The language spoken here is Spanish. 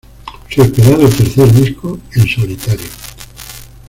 Su esperado tercer disco en solitario.